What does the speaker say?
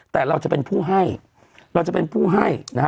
แต่เราจะเป็นผู้ให้เราจะเป็นผู้ให้นะฮะ